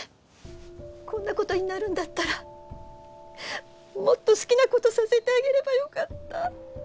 こんな事になるんだったらもっと好きな事させてあげればよかった。